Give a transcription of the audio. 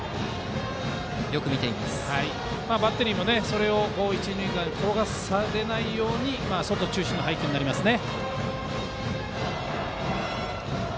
バッテリーもそれを一、二塁間に転がされないような外中心の配球になりますね。